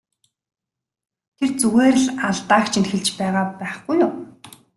Тэр зүгээр л алдааг чинь хэлж байгаа байхгүй юу!